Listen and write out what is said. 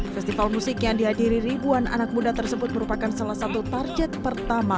festival musik yang dihadiri ribuan anak muda tersebut merupakan salah satu target pertama